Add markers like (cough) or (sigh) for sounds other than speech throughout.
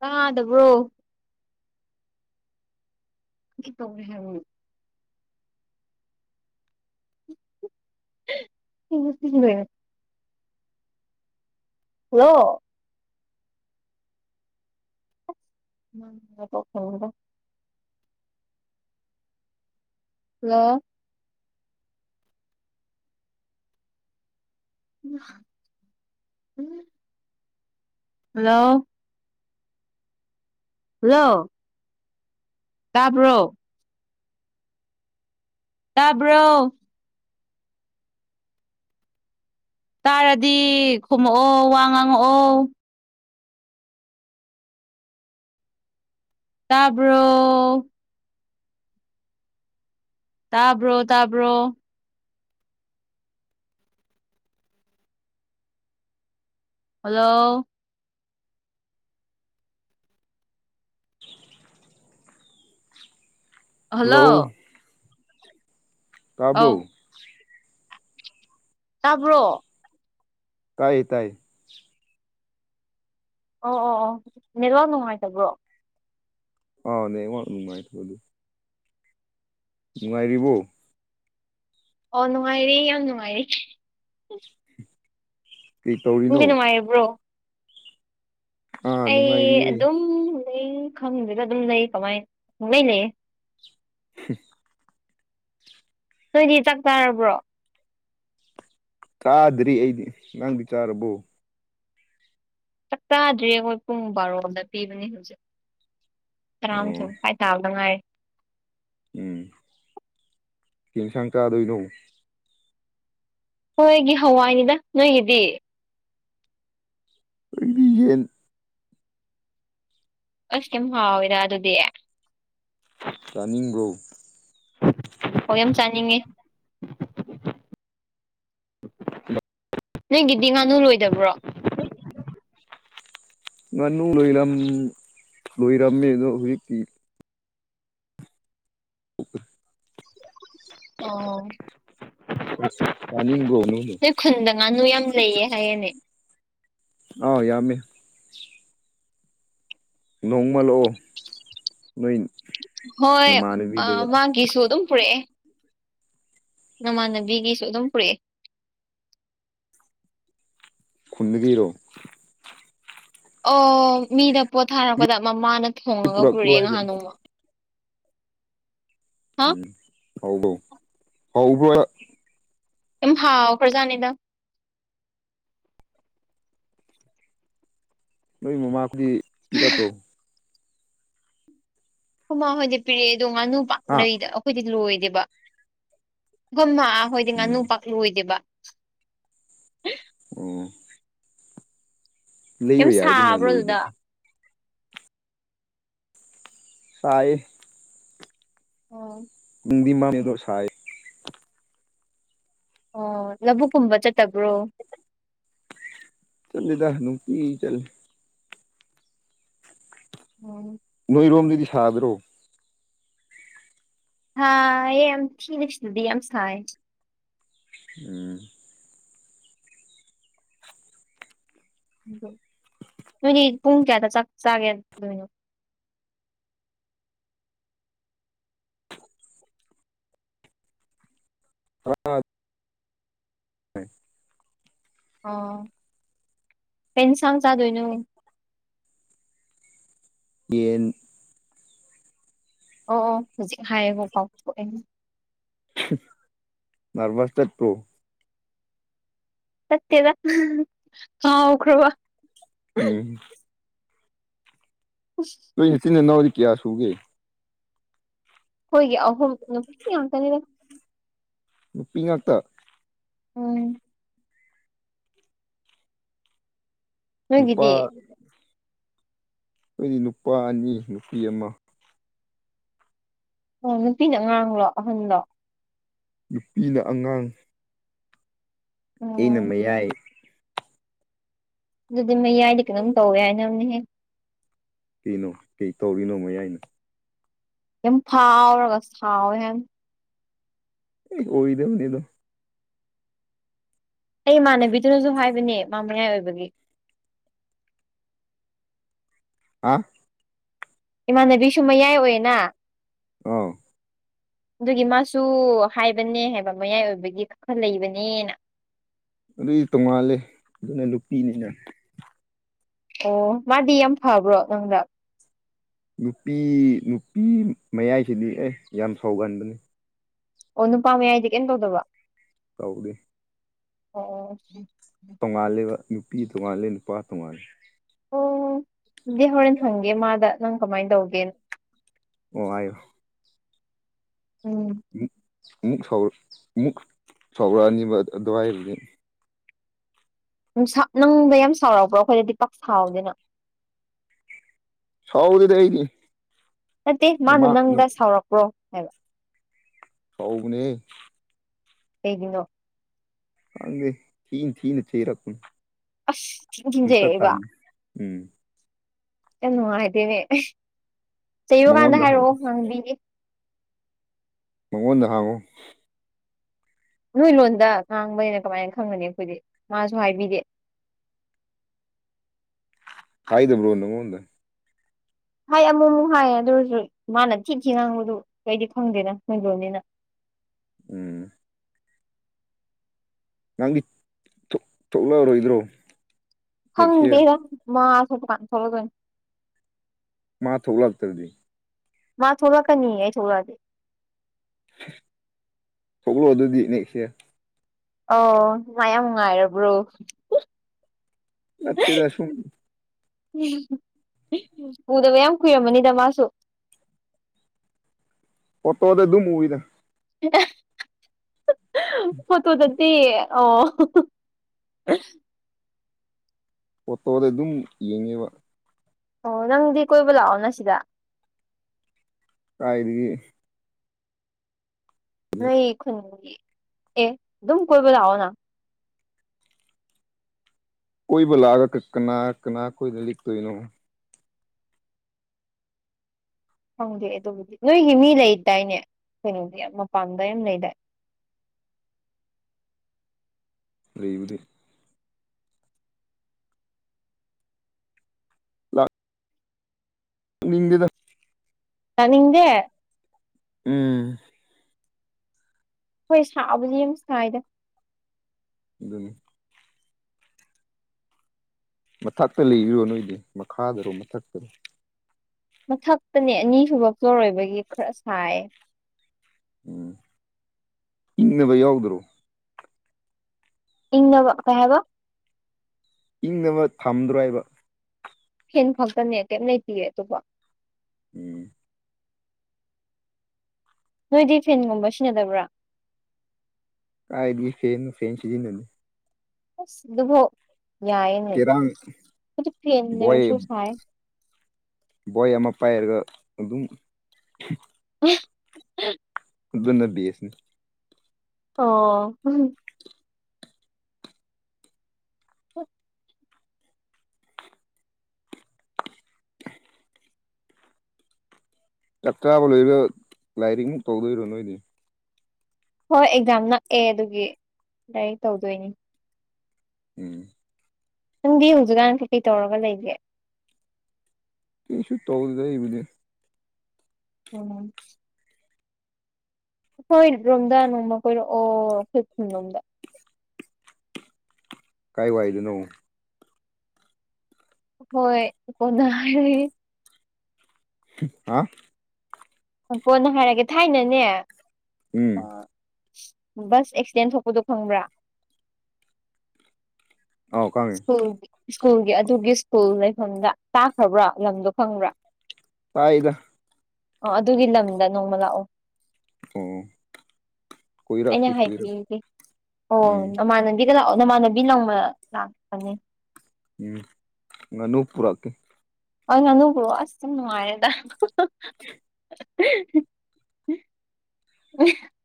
ꯇꯥꯗꯕ꯭ꯔꯣ ꯇꯧꯅꯤ ꯍꯥꯏꯔꯣꯅꯦ (inaudible) (inaudible) ꯍꯜꯂꯣ ꯎꯝ (inaudible) ꯍꯥꯜꯂꯣ (inaudible) ꯍꯜꯂꯣ ꯍꯜꯂꯣ ꯇꯥꯕ꯭ꯔꯣ ꯇꯥꯕ꯭ꯔꯣ ꯇꯥꯔꯗꯤ ꯈꯨꯝꯃꯛꯑꯣ ꯋꯥ ꯉꯥꯡꯉꯛꯑꯣ ꯇꯥꯕ꯭ꯔꯣ ꯇꯥꯕ꯭ꯔꯣ ꯇꯥꯕ꯭ꯔꯣ ꯍꯜꯂꯣ (unintelligible) ꯍꯜꯂꯣ ꯇꯥꯕ꯭ꯔꯣ ꯑꯧ ꯇꯥꯕ꯭ꯔꯣ ꯇꯥꯏꯌꯦ ꯇꯥꯏꯌꯦ ꯑꯣ ꯑꯣ ꯑꯣ ꯅꯦꯠꯋꯥꯛ ꯅꯨꯡꯉꯥꯏꯇꯕ꯭ꯔꯣ ꯑꯥꯎ ꯅꯦꯠꯋꯥꯛ ꯅꯨꯡꯉꯥꯏꯇꯦ ꯅꯨꯡꯉꯥꯏꯔꯤꯕꯣ ꯑꯣ ꯅꯨꯡꯉꯥꯏꯔꯤ ꯌꯥꯝ ꯅꯨꯡꯉꯥꯏꯔꯤ ꯀꯩ ꯇꯧꯔꯤꯅꯣ ꯨꯅꯪꯗꯤ ꯅꯨꯡꯉꯥꯏꯔꯤꯕ꯭ꯔꯣ ꯑꯥ ꯑꯩ ꯅꯨꯡꯉꯥꯏꯔꯤꯌꯦ ꯑꯗꯨꯝ ꯂꯩ ꯈꯪꯗꯦꯗ ꯑꯗꯨꯝ ꯂꯩ ꯀꯃꯥꯏ ꯄꯪꯂꯩ ꯂꯩꯌꯦ ꯍ (inaudible) ꯅꯣꯏꯗꯤ ꯆꯥꯛ ꯆꯥꯔꯕ꯭ꯔꯣ ꯆꯥꯗ꯭ꯔꯤ ꯑꯩꯗꯤ ꯅꯪꯗꯤ ꯆꯥꯔꯕꯣ ꯆꯥꯛ ꯆꯥꯗ꯭ꯔꯤ ꯑꯩꯈꯣꯏ ꯄꯨꯡ ꯕꯥꯔꯣꯝꯗ ꯄꯤꯕꯅꯦ ꯍꯧꯖꯤꯛ ꯑꯣ ꯇꯔꯥꯃꯊꯣꯏ ꯇꯥꯕꯗꯉꯥꯏꯔꯤ ꯀꯩ ꯏꯟꯁꯥꯡ ꯆꯥꯗꯣꯏꯅꯣ ꯍꯣꯏꯒꯤ ꯍꯋꯥꯏꯅꯤꯗ ꯅꯣꯏꯒꯤꯗꯤ (unintelligible) ꯑꯁ ꯌꯥꯝ ꯍꯥꯎꯋꯦꯗ ꯑꯗꯨꯗꯤ ꯆꯥꯅꯤꯡꯕꯔꯣ ꯑꯣ ꯌꯥꯝ ꯆꯥꯅꯤꯡꯉꯤ ꯅꯪꯒꯤꯗꯤ ꯉꯥꯅꯨ ꯂꯣꯏꯗꯕ꯭ꯔꯣ ꯉꯥꯅꯨ ꯂꯣꯏꯔꯝ ꯂꯣꯏꯔꯝꯃꯦ ꯑꯗꯣ ꯍꯧꯖꯤꯛꯇꯤ (unintelligible) (inaudible) ꯑꯣ (unintelligible) (inaudible) ꯅꯣꯏ ꯈꯨꯟꯗ ꯉꯥꯅꯨ ꯌꯥꯝ ꯂꯩꯌꯦ ꯍꯥꯏꯌꯦꯦꯅꯦ ꯑ ꯌꯥꯝꯃꯦ ꯅꯣꯡꯃ ꯂꯥꯛꯑꯣ ꯅꯣꯏ ꯍꯣꯏ ꯅꯃꯥꯟꯅꯕꯤꯗꯨꯒ ꯃꯥꯒꯤꯁꯨ ꯑꯗꯨꯝ ꯄꯨꯔꯛꯑꯦ ꯅꯃꯥꯟꯅꯕꯤꯒꯤꯁꯨ ꯑꯗꯨꯝ ꯄꯨꯔꯛꯑꯦ ꯈꯨꯨꯝꯗꯒꯤꯔꯣ ꯑꯣ ꯃꯤꯗ ꯄꯣꯠ ꯊꯥꯔꯛꯄꯗ ꯃꯃꯥꯅ ꯊꯣꯡꯉꯒ ꯄꯨꯔꯛꯄ꯭ꯔꯣ ꯄꯨꯔꯛꯑꯦ ꯍꯥꯏꯕ ꯉꯍꯥꯟ ꯅꯣꯡꯃ ꯍꯥ ꯍꯥꯎꯕꯣ ꯍꯥꯎꯕꯔꯣꯕ ꯎꯝ ꯍꯥꯥꯎ ꯈꯔꯖꯥꯅꯤꯗ ꯅꯣꯏ ꯃꯃꯥꯗꯤ ꯄꯤꯔꯛꯇꯣ ꯈꯨꯃꯥ ꯍꯣꯏꯗꯤ ꯄꯤꯔꯛꯑꯦ ꯑꯗꯣ ꯉꯥꯅꯨ ꯄ ꯍꯥ ꯂꯩꯗ ꯑꯩꯈꯣꯏꯗꯤ ꯂꯣꯏꯗꯦꯕ ꯃꯥ ꯍꯣꯏꯗꯤ ꯉꯥꯅꯨ ꯎꯝ ꯄꯥꯛ ꯂꯣꯏꯗꯦꯕ ꯑꯣ ꯂꯩꯕ ꯌꯝ ꯌꯥꯏꯗꯅ ꯁꯥꯕ꯭ꯔꯣ ꯑꯗꯨꯗ ꯂꯣꯏꯗꯁꯨ ꯁꯥꯏ ꯑꯣ ꯪ (unintelligible) ꯃꯗꯣꯁꯥꯏ ꯑꯣ ꯂꯧꯕꯨꯛ ꯀꯨꯝꯕ ꯆꯠꯇꯕ꯭ꯔꯣ ꯆꯠꯂꯤꯗ ꯅꯨꯡꯇꯤꯒꯤ ꯆꯠꯂꯤ ꯎꯝ ꯅꯣꯏꯔꯣꯝꯗꯗꯤ ꯁꯥꯗ꯭ꯔꯣ ꯁꯥꯕ꯭ꯔꯣ ꯌꯥꯝ ꯊꯤꯅ ꯁꯤꯗꯗꯤ ꯁꯥꯌꯦ ꯎꯝ ꯅꯣꯏꯗꯤ ꯄꯨꯡ ꯀꯌꯥꯗ ꯆꯥꯛ ꯆꯥꯒꯦ ꯗꯅꯣ ꯑꯥ ꯑꯣ ꯀꯩꯁꯥꯡ ꯆꯗꯣꯏꯅꯣ ꯌꯦꯟ ꯑꯣ ꯑꯣ ꯍꯧꯖꯤꯛ ꯍꯥꯏꯌꯦꯕꯣ ꯀꯥꯎꯊꯣꯛꯑꯦ ꯅ꯭ꯔꯚꯁ ꯆꯠꯄ꯭ꯔꯣ ꯆꯠꯇꯦꯕ ꯀꯥꯎꯈꯔꯥꯕꯥ ꯎꯝ ꯎ (unintelligible) (inaudible) ꯅꯣꯏ ꯏꯆꯤꯟ ꯏꯅꯥꯎꯗꯤ ꯀꯌꯥ ꯁꯨꯒꯦ ꯑꯩꯈꯣꯏꯒꯤ ꯑꯍꯨꯝ ꯅꯨꯄꯤ ꯉꯛꯇꯅꯤꯗ ꯅꯨꯄꯤ ꯉꯥꯛꯇ ꯎꯝ (unintelligible) (inaudible) ꯅꯨꯄꯥ ꯅꯣꯏꯒꯤꯗꯤ ꯑꯩꯈꯣꯏꯗꯤ ꯅꯨꯄꯥ ꯑꯅꯤ ꯅꯨꯄꯤ ꯑꯃ ꯑꯣ ꯅꯨꯄꯤꯅ ꯑꯉꯥꯡꯂꯣ ꯑꯍꯟꯗꯣ ꯅꯨꯄꯤꯅ ꯑꯉꯥꯡ ꯑꯩꯅ ꯑꯣ ꯃꯌꯥꯏ ꯑꯗꯨꯗꯤ ꯃꯌꯥꯏꯗꯤ ꯀꯩꯅꯣꯝ ꯇꯧꯋꯦ ꯍꯥꯏ ꯅ ꯑꯃꯅꯦꯍꯦꯛ ꯀꯩꯅꯣ ꯀꯩ ꯇꯧꯔꯤꯅꯣ ꯃꯌꯥꯏꯅꯣ ꯌꯥꯝ ꯐꯥꯎꯔꯒ ꯁꯥꯎꯋꯦ ꯍ (inaudible) (unintelligible) ꯑꯣꯏꯣꯏꯗꯕꯅꯤꯗꯣ (inaudible) (unintelligible) ꯑꯩ ꯏꯃꯥꯟꯅꯕꯤꯗꯨꯅꯁꯨ ꯍꯥꯏꯕꯅꯦ ꯃꯥ ꯃꯌꯥꯏ ꯑꯣꯏꯕꯒꯤ ꯍꯥꯥ (unintelligible) (inaudible) ꯏꯃꯥꯟꯅꯕꯤꯁꯨ ꯃꯌꯥꯏ ꯑꯣꯏꯌꯦꯅ ꯑꯥ (unintelligible) (inaudible) ꯑꯗꯨꯒꯤ ꯃꯥꯁꯨ ꯍꯥꯏꯕꯅꯦ ꯍꯥꯏꯕ ꯃꯌꯥꯏ ꯑꯣꯏꯕꯒꯤ ꯈ ꯈꯔ ꯂꯩꯕꯅꯦꯅ ꯑꯗꯨꯏ ꯇꯣꯡꯉꯥꯜꯂꯦ ꯑꯗꯨꯅ ꯅꯨꯄꯤꯅꯤꯅ ꯑꯣ ꯃꯥꯗꯤ ꯌꯥꯝ ꯐꯕ꯭ꯔꯣ ꯅꯪꯗ ꯅꯨꯄꯤ ꯅꯨꯄꯤ ꯃꯌꯥꯏꯁꯤꯗꯤ ꯑꯦ ꯌꯥꯝ ꯁꯥꯎꯒꯟꯥꯟꯕꯅꯤ ꯑꯣ ꯅꯨꯄꯥ ꯃꯌꯥꯏꯗꯤ ꯀꯩꯅꯝ ꯇꯧꯗꯕ ꯇꯧꯗꯦ ꯑꯣ (unintelligible) (inaudible) ꯇꯣꯉꯥꯜꯂꯦꯕ ꯅꯨꯄꯤ ꯇꯣꯉꯥꯜꯂꯦ ꯅꯨꯄꯥ ꯇꯣꯉꯥꯂꯦ ꯑꯣ ꯑꯗꯨꯗꯤ ꯍꯣꯔꯦꯟ ꯍꯪꯒꯦ ꯃꯥꯗ ꯅꯪ ꯀꯃꯥꯏꯅ ꯇꯧꯒꯦꯅ ꯑꯣ ꯑꯌꯣ (inaudible) (unintelligible) ꯎꯝ (unintelligible) (inaudible) ꯑꯃꯨꯛ ꯁ ꯑꯃꯨꯛ ꯁꯧꯔꯛꯑꯅꯤꯕ ꯑꯗꯨꯋꯥꯏꯗꯨꯗꯤ ꯅꯪꯗ ꯌꯥꯝ ꯁꯥꯎꯔꯄ꯭ꯔꯣ ꯑꯩꯈꯣꯏꯗꯗꯤ ꯄꯥꯛ ꯁꯥꯎꯗꯦꯅ ꯁꯧꯗꯤ ꯂꯩꯅꯤ (inaudible) ꯅꯠꯇꯦ ꯃꯥꯅ ꯅꯪꯗ ꯁꯥꯎꯔꯛꯄ꯭ꯔꯣ ꯍꯥꯏꯕ ꯁꯥꯎꯅꯦ ꯀꯅꯣ (inaudible) (unintelligible) ꯪꯦ ꯊꯅ ꯊꯅ ꯆꯩꯔꯀ ꯑꯁ ꯊꯤꯟ ꯇ ꯇ ꯊꯤꯟꯖꯩꯔꯛꯏꯕ ꯎꯝ (inaudible) (unintelligible) ꯌꯥꯝ ꯅꯨꯡꯉꯥꯏꯗꯦꯅꯦ ꯆꯩꯔꯨꯀꯥꯟꯗ ꯃꯉꯣꯟꯗ ꯍꯥꯏꯔꯛꯑꯣ ꯍꯪꯉꯨ ꯉꯥꯡꯕꯤꯒꯦ ꯃꯉꯣꯟꯗ ꯍꯥꯡꯉꯨ ꯅꯣꯏ ꯂꯣꯟꯗ ꯉꯥꯡꯕꯅ ꯀꯃꯥꯏꯅ ꯈꯪꯒꯅꯤ ꯑꯩꯈꯣꯏꯗꯤ ꯃꯥꯁꯨ ꯍꯥꯏꯕꯤꯗꯦ ꯀꯥꯏꯗꯕꯣ ꯅ ꯑꯃꯣ ꯍꯥꯏ ꯑꯃꯨꯛ ꯑꯃꯨꯛ ꯍꯥꯏꯌꯦ ꯑꯗꯨ ꯑꯣꯏꯔꯁꯨ ꯃꯥꯅ ꯊꯤꯛꯈꯤ ꯉꯥꯡꯕꯗꯨ ꯀꯩꯗꯤ ꯈꯪꯗꯦꯅ ꯃꯣꯏ ꯂꯣꯟꯅꯤꯅ ꯎꯝ (unintelligible) (inaudible) ꯅꯪꯒꯤ ꯊꯣꯛꯂꯛꯑꯔꯣꯏꯗ꯭ꯔꯣ ꯅꯦꯛꯁ ꯌꯥꯔ ꯈꯪꯗꯦꯔ ꯃꯥꯁ ꯗꯨꯀꯥꯟ ꯊꯣꯛꯂꯛꯗꯣꯏꯅꯤ ꯃꯥ ꯊꯣꯛꯂꯛꯇ꯭ꯔꯗꯤ ꯃꯥ ꯊꯣꯛꯂꯛꯀꯅꯤꯌꯦ ꯑꯩ ꯊꯣꯛꯂꯛꯑꯗꯤ ꯊꯣꯛꯂꯣ ꯑꯗꯨꯗꯤ ꯅꯦꯛꯁ ꯌꯥꯔ ꯑꯣ ꯃꯥ ꯌꯥꯝ ꯅꯨꯡꯉꯥꯏꯔꯕ꯭ꯔꯣ꯫ ꯅꯠꯇꯦꯗ ꯁꯨꯝ (unintelligible) ꯎꯗꯕ ꯌꯥꯝ ꯀꯨꯏꯔꯝꯃꯅꯤꯗ ꯃꯥꯁꯨ꯫ ꯐꯣꯠꯇꯣꯗ ꯑꯗꯨꯝ ꯎꯏꯗꯥ꯫ (unintelligible) ꯐꯣꯠꯇꯣꯗ ꯇꯤ ꯑꯣ (unintelligible) ꯐꯣꯇꯣꯗ ꯑꯗꯨꯝ ꯌꯦꯡꯉꯦꯕ ꯑꯣ ꯅꯪꯗꯤ ꯀꯣꯏꯕ ꯂꯥꯛꯑꯣꯅ ꯁꯤꯗ꯫ ꯀꯥꯏꯔꯤꯌꯦ ꯅꯣꯏ ꯈꯨꯟꯒꯤ ꯑꯦ ꯑꯗꯨꯝ ꯀꯣꯏꯕ ꯂꯥꯛꯑꯣ ꯅ꯫ ꯀꯣꯏꯕ ꯂꯥꯛꯑꯒ ꯀ ꯀꯅꯥ ꯀꯅꯥ ꯈꯣꯏꯗ ꯂꯦꯛꯇꯣꯏꯅꯣ꯫ ꯈꯪꯗꯦ ꯑꯗꯨꯕꯨꯗꯤ ꯅꯣꯏꯒꯤ ꯃꯤ ꯂꯩꯗꯥꯏꯅꯦ ꯀꯩꯅꯣꯒꯤ ꯃꯄꯥꯟꯗꯩ ꯑꯃ ꯂꯩꯗꯥꯏ꯫ ꯂꯩꯕꯅꯤ (unintelligible) ꯗꯦꯗꯥ ꯇꯥꯅꯤꯡꯗꯦ ꯎꯝ ꯍꯣꯏ ꯁꯥꯕꯨꯗꯤ ꯌꯥꯝ ꯁꯥꯏꯗ꯫ ꯑꯗꯨꯅꯤ ꯃꯊꯛꯇ ꯂꯩꯕ꯭ꯔꯣ ꯅꯣꯏꯖꯦ ꯃꯈꯥꯗꯔꯣ ꯃꯊꯛꯇꯔꯣ꯫ ꯃꯊꯛꯇꯅꯦ ꯑꯅꯤꯁꯨꯨꯕ ꯐ꯭ꯂꯣꯔ ꯑꯣꯏꯕꯒꯤ ꯈꯔ ꯁꯥꯏꯌꯦ꯫ ꯎꯝ ꯏꯪꯅꯕ ꯌꯥꯎꯗꯔꯣ꯫ ꯏꯪꯅꯕ ꯀꯩ ꯍꯥꯏꯕ ꯏꯪꯅꯕ ꯊꯝꯗ꯭ꯔꯣ ꯍꯥꯏꯕ ꯐꯦꯟ ꯈꯛꯇꯅꯦ ꯀꯩꯝ ꯂꯩꯇꯤꯌꯦ ꯑꯇꯣꯞꯄ꯫ ꯎꯝ ꯅꯣꯏꯗꯤ ꯐꯦꯟꯒꯨꯝꯕ ꯁꯤꯟꯅꯗꯕ꯭ꯔꯥ꯫ ꯀꯥꯏꯗꯒꯤ ꯐꯦꯟꯅꯣ ꯐꯦꯟ ꯁꯤꯖꯤꯟꯅꯗꯦ꯫ ꯑꯁ ꯑꯗꯨꯐꯥꯎ ꯌꯥꯏꯌꯦꯅꯦ ꯆꯦꯔꯥꯡ ꯑꯗꯨ ꯐꯦꯟ ꯕꯣꯏ ꯂꯩꯔꯁꯨ ꯁꯥꯏꯌꯦ꯫ ꯕꯣꯏ ꯑꯃ ꯄꯥꯏꯔꯒ ꯑꯗꯨꯝ (unintelligible) ꯑꯗꯨꯅ ꯕꯦꯁꯅꯤ ꯑꯣ (unintelligible) ꯆꯥꯛ ꯆꯥꯕ ꯂꯣꯏꯔ ꯂꯥꯏꯔꯤꯛꯃꯨꯛ ꯇꯧꯗꯣꯏꯔꯣ ꯅꯣꯏꯗꯤ꯫ ꯍꯣꯏ ꯑꯦꯛꯖꯥꯝ ꯅꯛꯑꯦ ꯑꯗꯨꯒꯤ ꯂꯥꯏꯔꯤꯛ ꯇꯧꯗꯣꯏꯅꯤ꯫ ꯎꯝ ꯅꯪꯗꯤ ꯍꯧꯖꯤꯛꯀꯥꯟ ꯀꯩꯀꯩ ꯇꯧꯔꯒ ꯂꯩꯒꯦ꯫ ꯀꯩꯁꯨ ꯇꯧꯗꯦ ꯑꯩ ꯍꯨꯖꯤꯛ ꯫ (unintelligible) (unintelligible) ꯔꯣꯝꯗ ꯅꯣꯡꯃ ꯀꯣꯏꯔꯛꯑꯣ ꯑꯩꯈꯣꯏ ꯈꯨꯟꯔꯣꯝꯗ꯫ ꯀꯥꯏ ꯋꯥꯏꯗꯅꯣ ꯍꯣꯏ ꯀꯣꯟꯅ ꯍꯥꯏꯔꯒꯦ꯫ ꯍꯥ ꯀꯣꯟꯅ ꯍꯥꯏꯔꯒꯦ ꯊꯥꯏꯅꯅꯦ ꯎꯝ ꯕꯁ ꯑꯦꯛꯁꯤꯗꯦꯟ ꯊꯣꯛꯄꯗꯨ ꯈꯪꯕ꯭ꯔꯥ꯫ ꯑꯥꯎ ꯈꯪꯉꯦ꯫ ꯁꯀꯨꯜ ꯁ꯭ꯀꯨꯜꯒꯤ ꯑꯗꯨꯒꯤ ꯁ꯭ꯀꯨꯜ ꯂꯩꯐꯝꯗ ꯇꯥꯈ꯭ꯔꯕ꯭ꯔꯥ ꯂꯝꯗꯣ ꯈꯪꯕ꯭ꯔꯥ ꯇꯥꯏꯗ ꯑ ꯑꯗꯨꯒꯤ ꯂꯝꯗ ꯅꯣꯡꯃ ꯂꯥꯛꯑꯣ ꯑꯣ ꯑꯩꯅ ꯀꯣꯏꯔꯛꯀꯦ ꯀꯣꯏꯔꯛꯀꯦ ꯍꯥꯏꯕꯤꯒꯦ ꯎꯝ ꯑꯣ ꯃꯃ ꯒ ꯅꯃꯥꯟꯅꯕꯤ ꯂꯪꯕ ꯂꯥꯛꯄꯅꯦ ꯎꯝ ꯉꯥꯅꯨ ꯄꯨꯔꯛꯀꯦ ꯍ ꯉꯅꯨꯧꯕ꯭ꯔꯣ ꯑꯁ ꯌꯥꯝ ꯅꯨꯡꯉꯥꯏꯔꯦꯗ ꯎ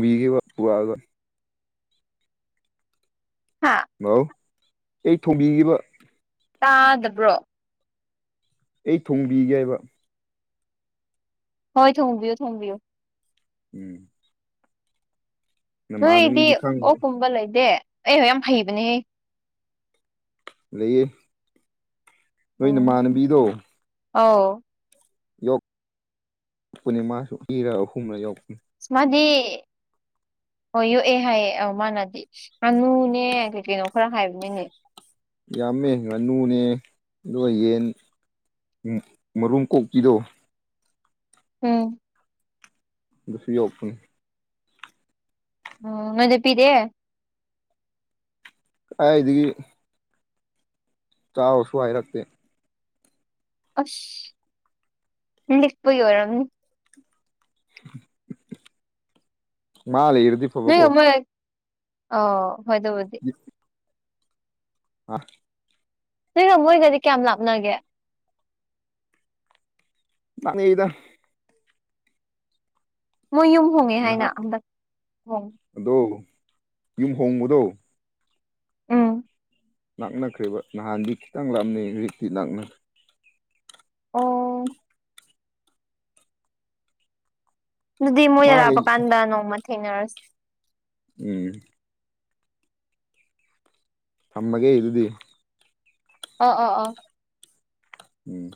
ꯃꯤꯒꯦ ꯋꯥꯄꯨꯒ ꯍꯥꯥ ꯑꯎ ꯑꯩ ꯊꯣꯡꯕꯤꯈꯤꯕ ꯇꯥꯗꯕ꯭ꯔꯣ ꯑꯩ ꯊꯣꯡꯕꯤꯒꯦ ꯍꯥꯏꯕ ꯍꯣꯏ ꯊꯣꯡꯕꯤꯌꯨ ꯊꯣꯡꯕꯤꯌꯨ ꯎꯝ ꯅꯣꯏꯗꯤ ꯅꯃꯥꯟꯅꯕꯤꯗꯤ ꯈꯪꯗꯦ ꯑꯣꯛꯀꯨꯝꯕ ꯂꯩꯗꯦ ꯑꯩ ꯌꯥꯝ ꯍꯩꯕꯅꯦ ꯂꯩꯌꯦ ꯅꯣꯏ ꯅꯃꯥꯟꯅꯕꯤꯗꯣ ꯑꯣꯥꯎ ꯄꯅꯤ ꯃꯥꯁꯨ ꯏꯤꯔ ꯑꯍꯨꯝꯂ ꯌꯧꯔꯛꯄꯅꯤ ꯃꯗꯤ ꯍꯣꯏ ꯌꯣꯛꯑꯦ ꯍꯥꯏꯌꯦ ꯃꯥꯅꯗꯤ ꯉꯥꯅꯨꯅꯦ ꯀ ꯀꯩꯅꯣ ꯈꯔ ꯍꯥꯏꯕꯅꯤꯅꯦ ꯌꯥꯝꯃꯦ ꯉꯥꯅꯨꯅꯦ ꯑꯗꯨꯒ ꯌꯦꯟ ꯃꯔꯨꯝ ꯀꯣꯛꯄꯤꯗꯣ ꯎꯝ ꯑꯗꯨꯁꯨ ꯌꯣꯛꯄꯅꯤ ꯑꯣ ꯉꯗ ꯄꯗꯦ ꯀꯗꯒꯤ ꯆꯥꯎꯔꯁꯨ ꯍꯥꯏꯔꯛꯇꯦ ꯑ ꯂꯤꯗꯤꯄ ꯌ ꯑꯣꯏꯔꯝ (unintelligible) ꯃꯥꯂꯦ ꯏꯔꯗꯤ ꯅꯣꯏ ꯃꯣꯏ ꯑ ꯍꯣꯏ ꯇꯕꯨꯗꯤ (unintelligible) (unintelligible) ꯅꯣꯏꯒ ꯃꯣꯏꯒꯗꯤ ꯀꯌꯥꯝ ꯂꯥꯞꯅꯒꯦ ꯅꯥꯟ ꯌꯦꯗ ꯃꯣꯏ ꯌꯨꯝ ꯍꯣꯡꯉꯦ ꯍꯥꯏꯅ ꯅꯍꯥꯟ ꯍꯟꯗꯛ ꯍꯣꯡꯉ ꯑꯗꯣ ꯌꯨꯝ ꯍꯣꯡꯕꯗꯣ ꯎꯝ ꯂꯥꯛꯅꯈ꯭ꯔꯦꯕ ꯅꯍꯥꯟꯗꯤ ꯈꯤꯇꯪ ꯂꯥꯞꯅꯩ ꯍꯧꯔꯤꯛꯇꯤ ꯂꯥꯛꯅꯈ꯭ꯔ ꯑꯣ ꯑꯗꯨꯗꯤ ꯃꯥ ꯃꯣꯏꯅ ꯂꯥꯛꯞꯄ ꯂꯩ ꯀꯥꯟꯗ ꯅꯣꯡꯃ ꯊꯦꯡꯅꯔꯁꯤ ꯎꯝ ꯊꯝꯃꯒꯦ ꯏꯗꯨꯗꯤ ꯑꯣ ꯑꯣ ꯑꯣ ꯎꯝ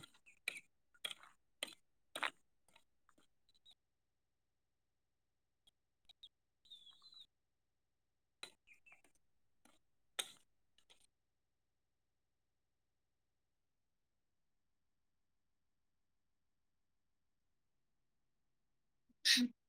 (unintelligible)